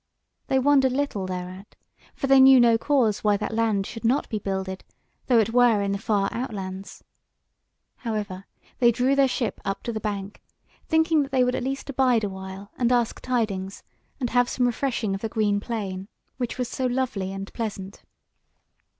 They wondered little thereat, for they knew no cause why that land should not be builded, though it were in the far outlands. However, they drew their ship up to the bank, thinking that they would at least abide awhile and ask tidings and have some refreshing of the green plain, which was so lovely and pleasant.